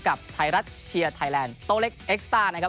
กับไทยรัฐเชียร์ไทยแลนด์โตเล็กเอ็กซ์ต้านะครับ